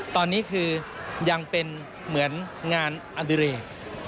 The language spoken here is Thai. ตอนนี้คือยังเป็นเหมือนงานอดิเรก